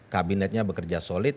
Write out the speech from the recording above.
kabinetnya bekerja solid